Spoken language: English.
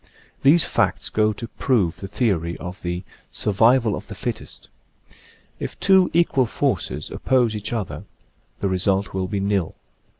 These facts go to prove the theory of the " survival of the fittest." If two equal forces oppose each other the result will be nil.